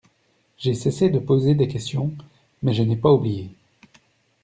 J’ai cessé de poser des questions, mais je n’ai pas oublié.